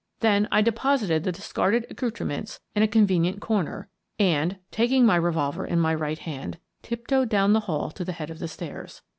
Then I deposited the discarded accoutrements in a convenient corner and, taking my revolver in my right hand, tiptoed down the hall to the head of the stairs.